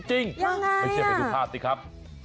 ยังไงน่ะไปเสียไปดูภาพสิครับ